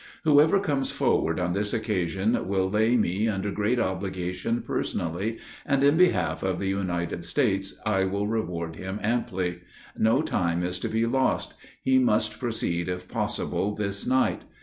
Whoever comes forward on this occasion will lay me under great obligations personally; and, in behalf of the United States, I will reward him amply. No time is to be lost. He must proceed, if possible, this night.